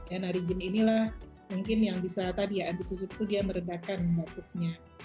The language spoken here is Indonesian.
ya narigin inilah mungkin yang bisa tadi ya antisisuk itu dia meredakan batuknya